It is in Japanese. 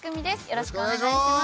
よろしくお願いします。